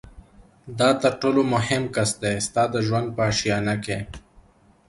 دا تر ټولو مهم کس دی ستا د ژوند په آشیانه کي